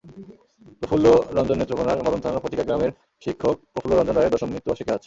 প্রফুল্ল রঞ্জননেত্রকোনার মদন থানার ফচিকা গ্রামের শিক্ষক প্রফুল্ল রঞ্জন রায়ের দশম মৃত্যুবাষিকী আজ।